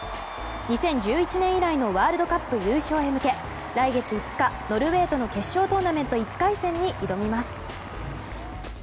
２０１１年以来のワールドカップ優勝へ向け来月５日、ノルウェーとの決勝トーナメント１回戦に挑みます。